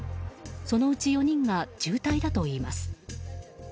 そのうち４人が重体だといいます。